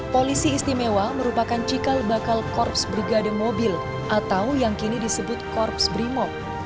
polisi istimewa merupakan cikal bakal korps brigade mobil atau yang kini disebut korps brimob